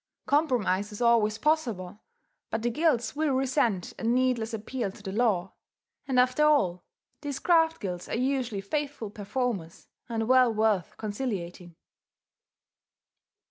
Compromise is always possible; but the guilds will resent a needless appeal to the law. And after all, these craft guilds are usually faithful performers, and well worth conciliating.